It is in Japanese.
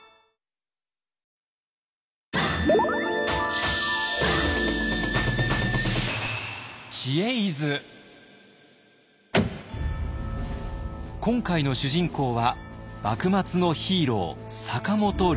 今回の主人公は幕末のヒーロー坂本龍馬。